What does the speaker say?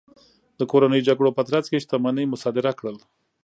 د کورنیو جګړو په ترڅ کې شتمنۍ مصادره کړل.